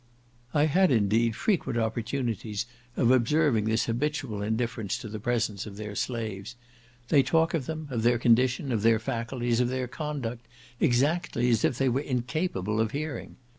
I had, indeed, frequent opportunities of observing this habitual indifference to the presence of their slaves. They talk of them, of their condition, of their faculties, of their conduct, exactly as if they were incapable of hearing.